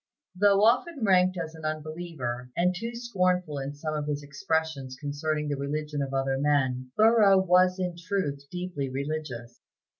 Though often ranked as an unbeliever, and too scornful in some of his expressions concerning the religion of other men, Thoreau was in truth deeply religious.